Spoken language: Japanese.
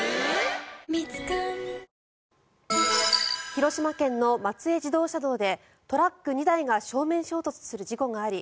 広島県の松江自動車道でトラック２台が正面衝突する事故があり